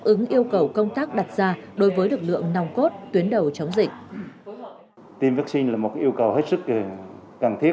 ứng yêu cầu công tác đặt ra đối với lực lượng nòng cốt tuyến đầu chống dịch